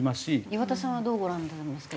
岩田さんはどうご覧になられますか？